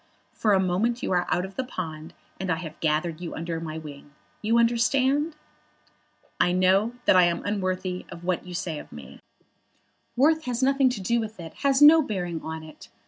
For a moment you are out of the pond, and I have gathered you under my wing. You understand?" "I know that I am unworthy of what you say of me." "Worth has nothing to do with it, has no bearing on it.